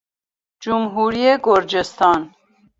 جمهوری گرجستان